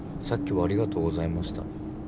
さっきはありがとうございました。